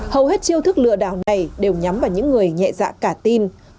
hầu hết chiêu thức lừa đảo này đều nhắm vào những người nhẹ dạ cả tin